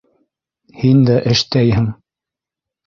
Һин дә эштәйһең.